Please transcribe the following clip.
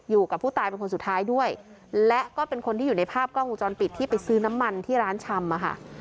อยู่กับผู้ตายเป็นคนสุดท้ายด้วยและก็เป็นคนที่อยู่ในภาพกล้องวงจรปิดที่ไปซื้อน้ำมันที่ร้านชำอะค่ะ